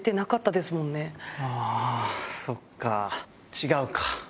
違うか。